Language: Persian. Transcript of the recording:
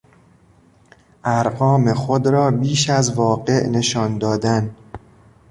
ارقام خود را بیش از واقع نشان دادن